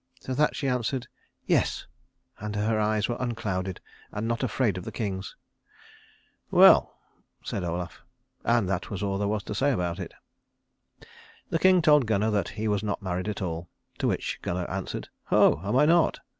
To that she answered, "Yes," and her eyes were unclouded and not afraid of the king's. "Well!" said Olaf; and that was all there was to say about it. The king told Gunnar that he was not married at all, to which Gunnar answered, "Ho, am I not?"